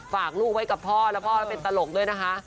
ฝากลูกไว้กับพ่อแล้วพ่อเป็นตลกด้วยนะคะ